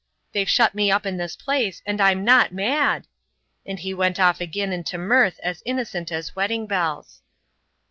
"They've shut me up in this place, and I'm not mad." And he went off again into mirth as innocent as wedding bells.